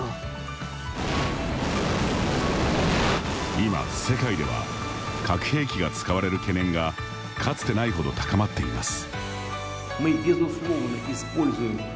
今、世界では核兵器が使われる懸念がかつてないほど高まっています。